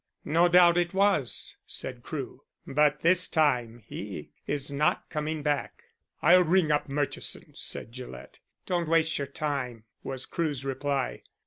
"No doubt it was," said Crewe. "But this time he is not coming back." "I'll ring up Murchison," said Gillett. "Don't waste your time," was Crewe's reply.